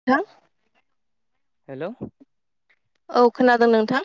[unintelligible] हेल'। औ खोनादों नोंथां।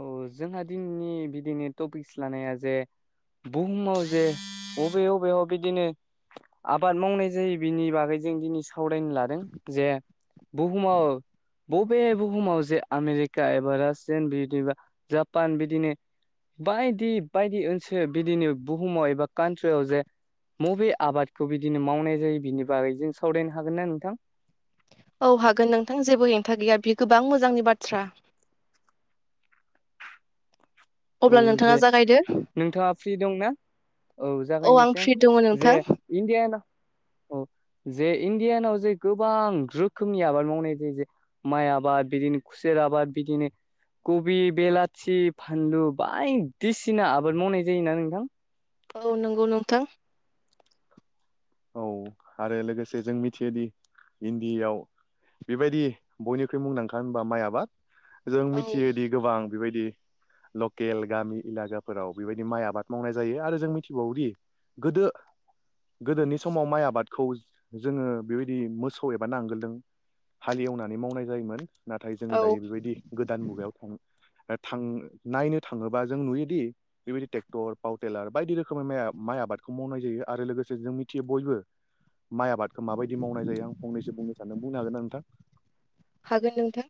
औ जोंहा दिनैनि बिदिनो टपिक्स लानाया जे बुहुमाव जे अबे अबेयाव बिदिनो आबाद मावनाय जायो बिनि बागै जों दिनै सावरायनो लादों जे बुहुमाव बबे बुहुमाव जे आमेरिका एबा रासियान बे बिदिबा जापान बिदिनो बायदि बायदि ओनसोल बिदिनो बुहुमाव एबा कान्ट्रियाव जे मबे आबादखौ बिदिनो मावनाय जायो बिनि बागै जों सावरायनो हागोन ना नोंथां? औ हागोन नोंथां जेबो हेंथा गैया बेयो गोबां मोजांनि बाथ्रा। अब्ला औ नोंथाङा जे जागायदो नोंथाङा फ्रि दं ना औ औ आं जागायनोसै फ्रि दङ नोंथां आं इन्दियाना औ जे इण्डियानाव जे गोबां रोखोमनि आबाद मावनाय जायो जे माइ आबाद बिदिनो खुसेर आबाद बिदिनो कबि बेलाथि फानलु बायदिसिना आबाद मावनाय जायोना नोंथां औ नोंगौ नोंथां औ आरो लोगोसे जों मिथियोदि इण्डियाव बिबायदि बयनिख्रुइ मुंदांखा होनबा माइ आबाद जों औ मिथियोदि गोबां बेबायदि लकेल गामि एलाकाफोराव बेबायदि माइ आबाद मावनाय जायो आरो जों मिथिबावोदि गोदो गोदोनि समाव माइ आबादखौ जोङो बेबायदि मोसौ एबा नांगोलदों हालि एवनानै मावनाय जायोमोन नाथाय जोङो औ दायो बेबायदि गोदान मुगायाव दा थां नायनो थाङोबा जों नुयोदि बेबायदि टेक्टर पाव टेलार बायदि रोखोमै माइ आबादखौ मावनाय जायो आरो लोगोसे जों मि थियो बयबो माइ आबादखो माबायदि मावनाय जायो आं फंनैसो बुंनो सानदों बुंनो हागोन ना नोंथां? हागोन नोंथां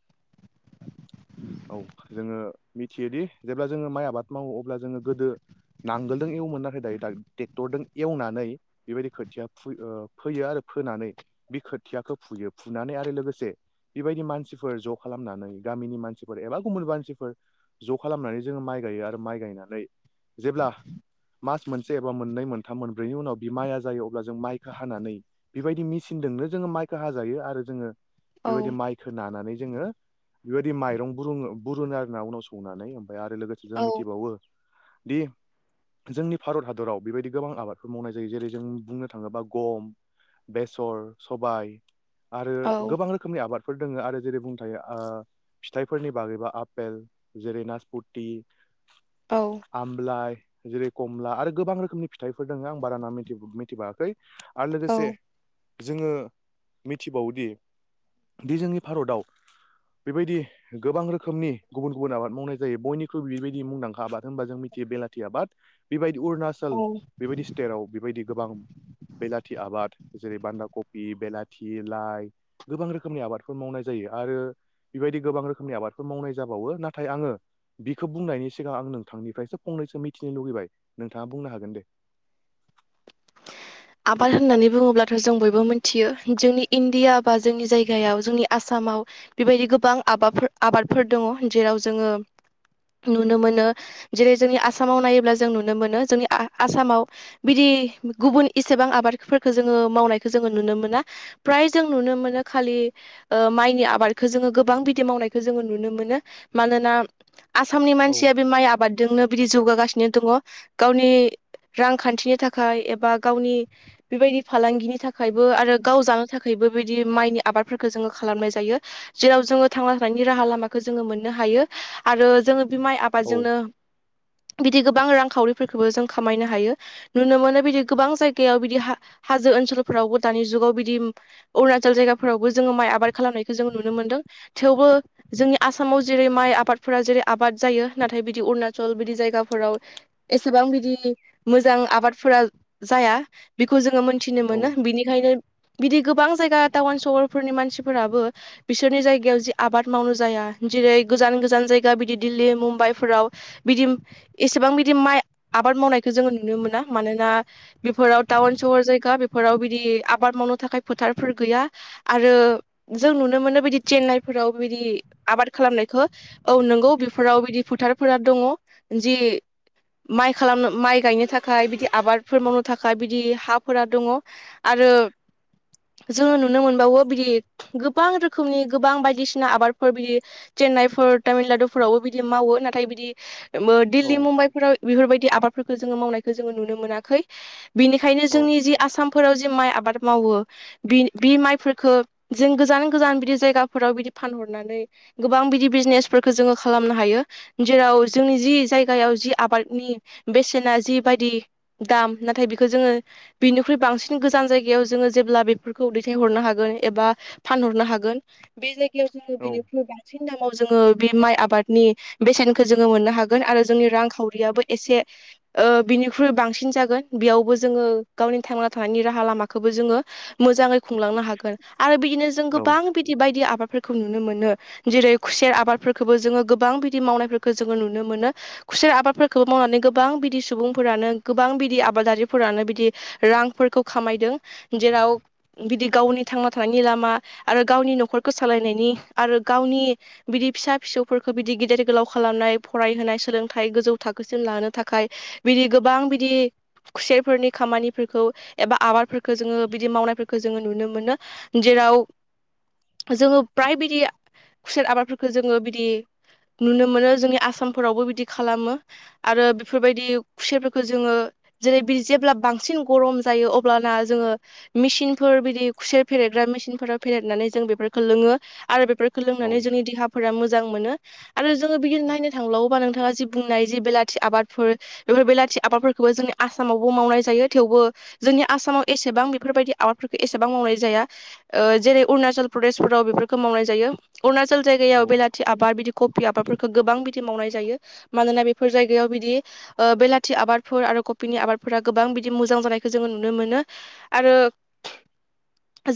औ जोङो मिथियोदि जेब्ला जोङो माइ आबाद मावो अब्ला जोङो गोदो नांगोलदों एवोमोन नाथाय दायो टेक्टरजों एवनानै बेबायदि खोथिया फु ओ फोयो आरो फोनानै बे खोथियाखौ फुयो फुनानै आरो लोगोसे बेबायदि मानसिफोर ज' खालामनानै गामिनि मानसिफोर एबा गुबुन मानसिफोर ज' खालामनानै जोङो माइ गायो आरो माइ गायनानै जेब्ला मास मोनसे एबा मोननै मोनथाम मोनब्रैनि उनाव बि माइया जायो अब्ला जों माइखो हानानै बेबायदि मिचिनजोंनो जोङो माइखो हाजायो आरो जोङो औ बेबायदि माइखो नानानै जोङो बेबायदि माइरं बुरुङो बुरुनो आरोना उनाव सौनानै ओमफ्राय आरो लोगोसे जों औ मिथिबावो बि जोंनि भारत हादराव बेबायदि गोबां आबादफोर मावनाय जायो जेरै जों बुंनो थाङोबा गम बेसर सबाइ आरो औ गोबां रोखोमनि आबादफोर दोङो आरो जेरै बुं थायो ओ फिथाइफोरनि बागैबा आपेल जेरै नासपति औ आमलाइ जेरै कमला आरो गोबां रोखोमनि फिथाइफोर दोङो आं बारा नाम मिथि-मिथिबाङाखै आर औ लोगोसे जोङो मिथिबावोदि दि जोंनि भारताव बेबायदि गोबां रोखोमनि गुबुन गुबुन आबाद मावनाय जायो बयख्रुइबो बेबायदि मुंदांखा आबाद होनबा जों मिथियो बेलाथि आबाद बिबायदि उरणाचल औ बेबायदि स्टेराव बेबायदि गोबां बेलाथि आबाद जेरै बान्दा कबि बेलाथि लाइ गोबां रोखोमनि आबादफोर मावनाय जायो आरो बिबायदि गोबां रोखोमनि आबादफोर मावनाय जाबावो नाथाय आङो बिखो बुंनायनि सिगां आं नोंथांनिफ्रायसो फंनैसो मिथिनो लुगैबाय नोंथाङा बुंनो हागोन दे आबाद होननानै बुङोब्लाथ' जों बयबो मोनथियो जोंनि इण्डिया बा जोंनि जायगायाव जोंनि आसामाव बेबायदि गोबां आबाबफोर आबादफोर दङ जेराव जोङो नुनो मोनो जेरै जोंनि आसामाव नायोब्ला जों नुनो मोनो जोंनि आ-आसामाव बिदि गुबुन इसिबां आबादफोरखो जोङो मावनायखौ जोङो नुनो मोना फ्राय जों नुनो मोनो खालि ओ माइनि आबादखो जोङो गोबां बिदि मावनायखौ जोङो नुनो मोनो मानोना आसामनि औ मानसिया बे माइ आबाद जोंनो बिदि जौगागासिनो दङ गावनि रांखान्थिनि थाखाय एबा गावनि बिबायदि फालांगिनि थाखायबो आरो गाव जानो था खायबो बिदि माइनि आबादफोरखौ जोङो खालामनाय जायो जेराव जोङो थांना थानायनि राहा लामाखौ जोङो मोननो हायो आरो जोङो बि माइ आ औ बादजोंनो बिदि गोबां रांखावरिफोरखौबो जों खामायनो हायो नुनो मोनो बिदि गोबां जायगायाव बिदि हा-हाजो ओनसोलफोरावबो दानि जुगाव बिदि अरुणाचल जायगाफोरावबो जोङो माइ आबाद खालामनायखौ जोंङो नुनो मोनदों थेवबो जोंनि आसामाव जेरै माइ आबादफोरा जेरै आबाद जायो नाथाय बिदि अरुणाचल बिदि जायगाफोराव एसेबां बिदि मोजां आबादफोरा जाया बेखौ जोङो मोनथिनो औ मोनो बिनिखायनो बिदि गोबां जायगा टावन सहरफोरनि मानसिफोराबो बिसोरनि जायगायाव जि आबाद मावनो जाया जेरै गोजान गोजान जायगा बिदि दिल्ली मुम्बाइफोराव बिदि एसेबां बिदि माइ आबाद मावनायखौ जोङो नुनो मोना मानोना बेफोराव टाउन सहर जायगा बे फोराव बिदि आबाद मावनो थाखाय फोथारफोर गैया आरो जों नुनो मोनो बिदि चेन्नाइफोराव बिदि आबाद खालामनायखौ औ नंगौ बेफोराव बिदि फोथारफोरा दङ जि माइ खालामनो माइ गायनो थाखाय बिदि आबादफोर मावनो थाखाय बिदि हाफोरा दङ आरो जोङो नुनो मोनबावो बिदि गोबां रोखोमनि गोबां बायदिसिना आबादफोर बिदि चेन्नाइफोर तामिलनाडुफोरावबो बिदि मावो नाथाय बिदि औ दिल्ली मुम्बाइफोराव बेफोरबायदि आबादफोरखौ जोङो मावनायखौ जोङो नुनो मोनाखै। बिनिखायनो औ जोंनि जि आसामफोराव जि माइ आबाद मावो बि बि माइफोरफोरखो जों गोजान गोजान बिदि जायगाफोराव बिदि फानहरनानै गोबां बिदि बिजनेसफोरखौ जोङो खालामनो हायो। जेराव जोंनि जि जायगायाव जि आबादनि बेसेना जिबायदि दाम नाथाय बेखौ जोङो बेनिख्रुइ बांसिन गोजान जायगायाव जोङो जेब्ला बेफोरखौ दैथायहरनो हागोन एबा फानहरनो हागोन बे जायगायाव जोङो औ बेनिख्रुइ बांसिन दामाव जोङो बे माइ आबादनि बेसेनखौ जोङो मोननो हागोन आरो जोंनि रांखावरियाबो एसे ओ बिनिख्रुइ बांसिन जागोन बेयावबो जोङो गावनि थांना थानायनि राहा लामाखौबो जोङो मोजाङै खुंलांनो हागोन आरो बिदिनो जों औ गोबां बिदि बायदि आबादफोर खौ नुनो मोनो जेरै खुसेर आबादफोरखौबो जोङो गोबां बिदि मावनायफोरखौ जोङो नुनो मोनो। खुसेर आबादफोरखौबो मावनानै गोबां बिदि सुबुंफोरानो गोबां बिदि आ आबादारिफोरानो बिदि रांफोरखौ खामायदों जेराव बिदि गावनि थांना थानायनि लामा आरो गावनि न'खरखौ सालायनायनि आरो गावनि बिदि फिसा फिसौफोरखौ बिदि गेदेर गोलाव खालामनाय फरायहोनाय सोलोंथाइ गोजौ थाखोसिम लानो थाखाय बिदि गोबां बिदि खुसेरफोरनि खामानिफोरखौ एबा आबादफोरखौ जोङो बिदि मावनायफोरखौ जोङो नुनो मोनो। जेराव जोङो फ्राय बिदि खुसेर आबादफोरखौ जोङो बिदि नुनो मोनो जोंनि आसामफोरावबो बिदि खालामो आरो बेफोरबायदि खुसेरफोरखौ जोङो जेरै जेब्ला बांसिन गरम जायो अब्लाना जोङो मेसििनफोर बिदि खुसे फेरेदग्रा मेसििनफोराव फेरदनानै जों बेफोरखौ लोङो आरो बेफोर औ लोंनानै जोंनि देहाफोरा मोजां मोनो आरो जोङो बिदिनो नायनो थांबावोब्ला नोंथाङा जि बुंनाय जि बेलाथि आबादफोर बेफोर बेलाथि आबादफोरखौबो जोंनिया आसामावबो मावनाय जायो थेवबो जोंनि आसामाव एसेबां बेफोरबायदि आबादफोरखौ एसेबां मावनाय जाया। जेरै अरुणाचल प्रदेशफोराव बेफोरखौ मावनाय जायो अरुणाचल जायगायाव औ बेला थि आबाद बिदि कफि आबादफोरखौ गोबां बिदि मावनाय जायो। मानोना बेफोर जायगायाव बिदि बेलाथि आबादफोर आरो कफि आबादफोरा गोबां बिदि मोजां जानायखौ जोङो नुनो मोनो आरो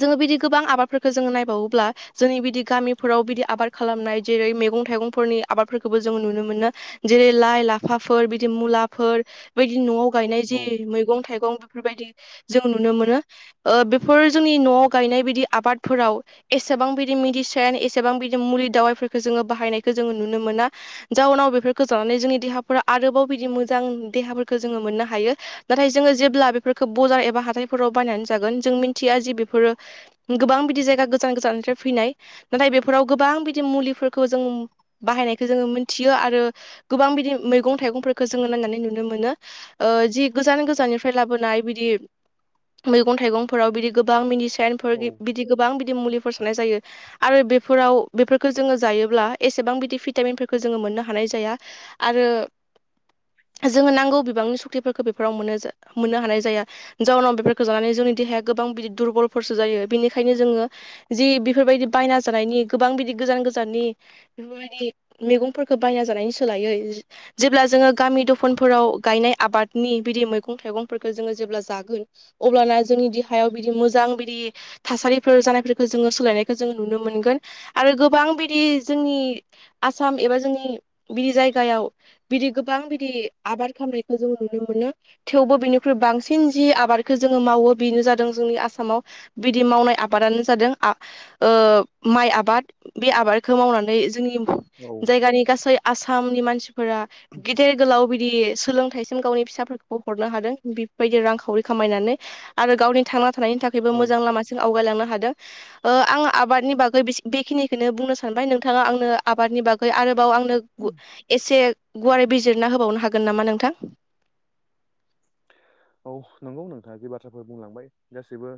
जोङो बिदि गोबां आबादफोरफोरखौ जोङो नायबावोब्ला जोंनि बिदि गामिफोराव बिदि आबाद खालामनाय जेरै मैगं थाइगंफोरनि आबादफोरखौबो जोंङ नुनो मोनो। जेरै लाइ लाफाफोर बिदि मुलाफोर बिदि न'आव गायनाय जि मैगं थाइगं बेफोरबायदि जों नुनो मोनो। ओ बेफोर जोंनि न'वाव गायनाय बायदि आबादफोराव एसेबां बिदि मेडिसिन एसेबां बिदि मुलि दावाइफोरखौ जोङो बाहायनायखौ जोङो नुनो मोना। जाउनाव बेफोरखो जानानै जोंनि देहाफोरा आरोबाव बिदि मोजां देहाफोरखो जोङो मोननो हायो नाथाय जोङो जेब्ला बेफोरखो बजार एबा हाथायफोराव बायनानै जागोन जों मिथिया जि बेफोरो गोबां बिदि जायगा गोजान गोजाननिफ्राय फैनाय नाथाय बेफोराव गोबां बिदि मुलिफोरखौ जों बाहायनायखौ जोङो मोनथियो आरो गोबां बिदि मैगं थाइगंफोरखौ जोङो नायनानै नुनो मोनो। ओ जि गोजान गोजाननिफ्राय लाबोनाय बिदि मैगं थाइगंफोराव बिदि गोबां मिडिसेनफोर औ बिदि गोबां बिदि मुलिफोर सारनाय जायो आरो बेफोराव बेफोरखो जोङो जायोब्ला एसेबां बिदि भिटामिनफोरखौ जोङो मोननो हानाय जाया। आरो जोंङो नांगौ बिबांनि श क्टिफोरख बेफोराव मोन मोननो हानाय जाया। जाउनाव बेफोरखौ जानानै जोंनि देहाया गोबां बिदि दुरबलफोरसो जायो बेनिखायनो जोङो जि बेफोरबायदि बायना जानायनि गोबां बिदि गोजान गोजाननि बेफोरबायदि मेगंफोरखौ बायना जानायनि सोलायै जेब्ला जोङो गामि दफनफोराव गायनाय आबादनि बिदि मैगं थाइगंफोरखो जोङो जेब्ला जागोन अब्लाना जोंनि देहायाव बिदि मोजां बिदि थासारिफोर जानायफोरखो जोङो सोलायनायखो जोङो नुनो मोनगोन आरो गोबां बिदि जोंनि आसाम एबा जोंनि बिदि जायगायाव बिदि गोबां बिदि आबाद खामनाय खो जों नुनो मोनो। थेवबो बिनिख्रुइ बांसिन जि आबादखौ जोङो मावो बेनो जादों जोंनि आसामाव बिदि मावनाय आबादानो जादों आ ओ माइ आबाद बे आबादखौ मावनानै जोंनि औ जायगानि गासै आसामनि मानसिफोरा गिदिर गोलाव बिदि सोलों जों गावनि फिसाफोरखौबो हरनो हादों बिफोरबायदि रांखावरि खामायनानै आरो गावनि थांना थानायनि था बेबो औ मोजां लामासिम आवगायलांनो हादों। ओ आं आबादनि बागै बे‌स बेखिनिखोनो बुंनो सानबाय नोंथाङा आंनो आबादनि बा गै आरोबाव आंनो एसे गुवारै बिजिरना होबावनो हागोन नामा नोंथां? औ नंगौ नोंथाङा जि बाथ्राफोर बुंलांबाय गासैबो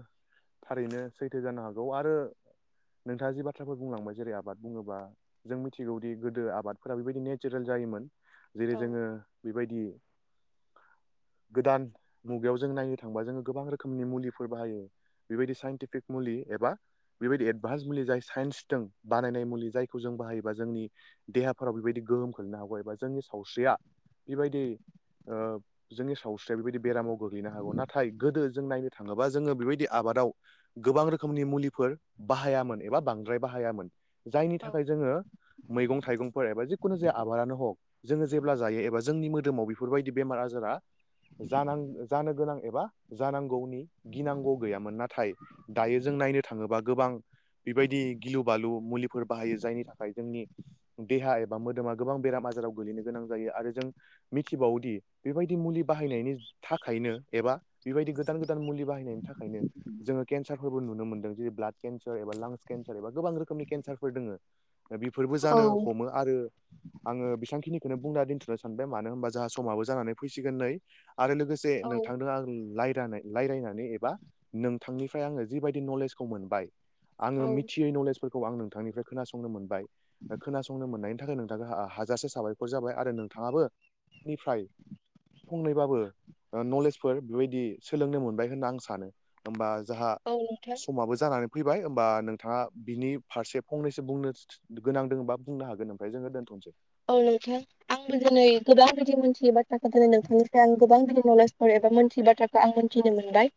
थारैनो सैथो जानो हागौ आरो नोंथाङा जि बाथ्राफोर बुंलांबाय जेरै आबाद बुङोबा जों मिथिगौदि गोदो आबादफोरा बेबायदि नेचेरेल जायोमोन औ जेरै जोङो बेबायदि गोदान मुगायाव जों नायनो थांबा जोङो गोबां रोखोमनि मुलिफोर बाहायो बेबायदि साइन्टिफिक मुलि एबा बेबायदि एडभान्स मुलि जाय साइन्सदों बानायनाय मुलि जायखौ जों बाहायोबा जोंनि देहाफोराव बेबायदि गोहोम खोलैनो हागौ एबा जोंनि सावस्रिया बेबायदि ओ जोंनि सावस्रिया बेबायदि बेरामाव गोग्लैनो हागौ नाथाय गोदो जों नायनो थाङोबा जोङो बेबायदि आबादाव गोबां रोखोमनि मुलिफोर बाहायामोन एबा बांद्राय बाहायामोन जायनि थाखाय जोङो मैगं थाइगंफोर एबा जिखुनु जाया आबादानो हक जोङो जेब्ला जायो एबा जोंनि मोदोमाव बेफोरबायदि बेमार आजारा जानां जानो गोनां एबा जानांगौनि गिनांगौ गैयामोन नाथाय दायो जों नायनो थाङोबा गोबां बेबायदि गिलु बालु मुलिफोर बाहायो जायनि थाखाय जोंनि देहा एबा मोदोमा गोबां बेराम आजाराव गलैनो गोनां जायो आरो जों मिथिबावोदि बेबायदि मुलि बाहायनायनि थाखायनो एबा बेबायदि गोदान गोदान मुलि बाहायनायनि थाखायनो जोङो केन्सारफोरबो नुनो मोनदों जेरै ब्लाड केन्सार एबा लांस केन्सार एबा गोबां रोखोमनि केन्सारफोर दोङो दा बेफोरबो जानो औ हमो। आरो आङो बेसां खिनिखौनो बुंना दोनथ'नो सानबाय मानो होनबा जाहा समाबो जानानै फैसिगोन नै आरो लोगोसे औ नोंथांदों आं लायरानै रायलायनानै एबा नोंथांनिफ्राय आङो जिबायदि नलेजखौ मोनबाय आङो मिथियै नलेज फोरखौ आं नोंथांनिफ्राय खोनासंनो मोनबाय खोनासंनो मोननायनि थाखाय नोंथांखो हाजासे साबायखर जाबाय आरो नोंथाङाबो आंनिफ्राय फंनैबाबो नलेजफोर बेबायदि सोलोंनो मोनबाय होनना आं सानो होमबा जाहा औ नोंथां समाबो जानानै फैबाय होमबा नोंथाङा बिनि फारसे फंनैसो बुंनो गोनां दोङोबा बुंनो हागोन ओमफ्राय जोङो दोनथनोसै औ नोंथां आंबो दिनै गोबां बिदि मोनथियै बाथ्राखौ दिनै नोंथांनिफ्राय आं गोबां बिदि नलेजफोर एबा मोनथियै बाथ्राखौ दा आं मोनथिनो मोनबाय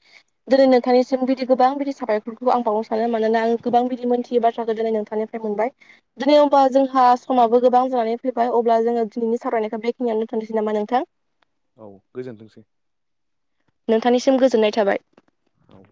दिनै नोंथांनिसिम बिदि गोबां बिदि साबायरखौ आं बावनो सानो मानोना आङो गोबां बिदि मोनथियो बाथ्राखौ दिनै नोंथांनि फ्राय मोनबाय दिनै होमबा जोंहा समाबो गोबां जानानै फैबाय अब्ला जोङो दिनैनि सावरायनायखौ बेखिनियाव दोनथनोसै नामा नोंथां औ गोजोनथोंसै नोंथांनिसिम गोजोननाय थाबाय औ